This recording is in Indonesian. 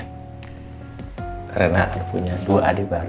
karena akan punya dua adik baru